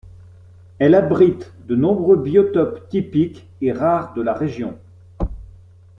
Elle abrite de nombreux biotopes typiques et rares de la région.